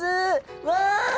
うわ！